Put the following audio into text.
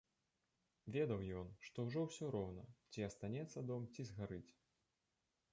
Ведаў ён, што ўжо ўсё роўна, ці астанецца дом, ці згарыць.